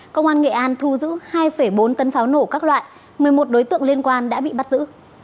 công an nghệ an thu giữ hai bốn tấn pháo nổ các loại một mươi một đối tượng liên quan đã bị bắt giữ